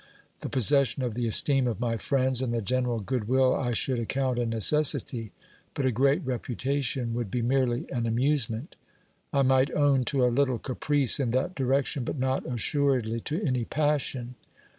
The possession of the esteem of my friends and the general goodwill I should account a necessity, but a great reputation would be merely an amusement ; I might own to a little caprice in that direction, but not assuredly to any passion.